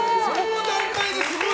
すごい！